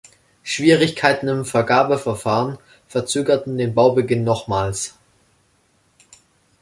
Schwierigkeiten im Vergabeverfahren verzögerten den Baubeginn nochmals.